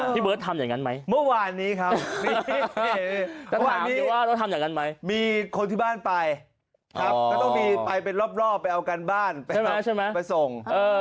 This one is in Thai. พี่เบิร์ตทำอย่างงั้นไหมเมื่อวานนี้ครับมีคนที่บ้านไปก็ต้องไปรอบไปเอาการบ้านไปส่ง